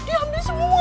diam nih semua